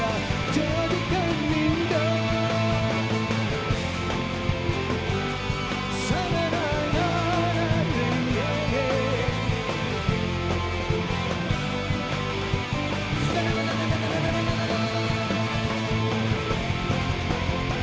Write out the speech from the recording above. memberikan warna yang bisa